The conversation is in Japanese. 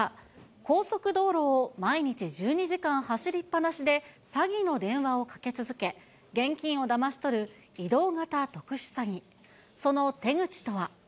高速道路を毎日１２時間走りっ放しで詐欺の電話をかけ続け、現金をだまし取る移動型特殊詐欺。